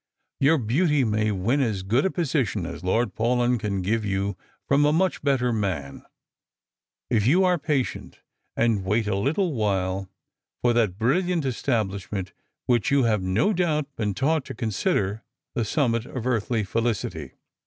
Your beauty may win as good a position as Lord Paulyn can give you from a much better man, if you are patient, and wait a little while for that brilliant establishment which you have no doubt been taught to consider the summit of earthly felicity."